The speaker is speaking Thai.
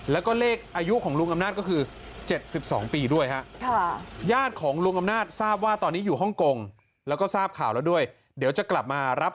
แล้วก็เลขอายุของลุงอำนาจก็คือ๗๒ปีด้วยฮะ